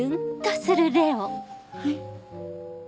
はい。